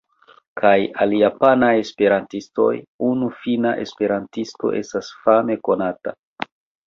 Kaj al japanaj esperantistoj, unu finna esperantisto estas fame konata.